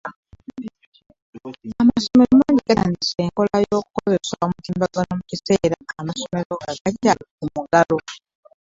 Amasomero mangi gettanidde enkola y'okukozesa omutimbagano mu kaseera ng'amasomero gakyali ku muggalo.